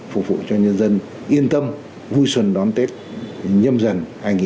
phục vụ cho nhân dân yên tâm vui xuân đón tết nhâm dần hai nghìn hai mươi